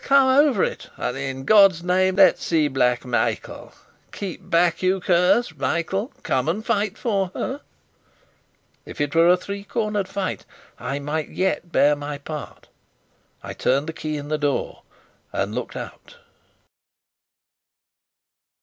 Come over it! And in God's name, let's see Black Michael. Keep back, you curs! Michael, come and fight for her!" If it were a three cornered fight, I might yet bear my part. I turned the key in the door and looked out.